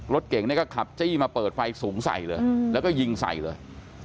รถเก่งเนี่ยก็ขับจี้มาเปิดไฟสูงใส่เลยแล้วก็ยิงใส่เลย